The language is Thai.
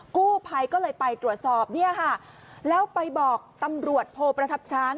กู้ภัยก็เลยไปตรวจสอบเนี่ยค่ะแล้วไปบอกตำรวจโพประทับช้าง